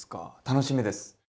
楽しみです！